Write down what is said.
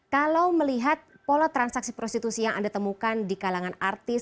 kalau melihat pola transaksi prostitusi yang anda temukan di kalangan artis